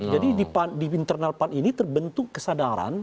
jadi di internal part ini terbentuk kesadaran